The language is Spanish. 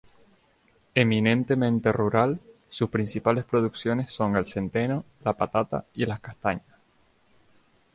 Eminentemente rural, sus principales producciones son el centeno, la patata y las castañas.